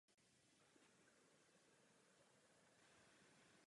Album obsahuje deset písní.